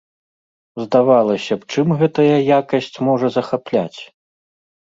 Здавалася б, чым гэтая якасць можа захапляць?